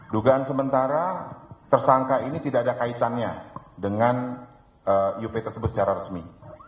dugaan sementara tersangka ini tidak ada kaitannya dengan iup tersebut secara resmi